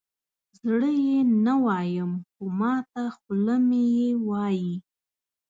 زه یې نه وایم خو ماته خوله مې یې وایي.